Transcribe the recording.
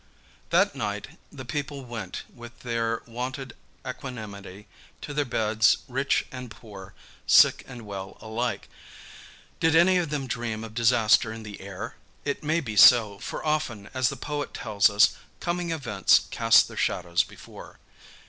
That night the people went, with their wonted equanimity, to their beds, rich and poor, sick and well alike. Did any of them dream of disaster in the air? It may be so, for often, as the poet tells us, "Coming events cast their shadows before."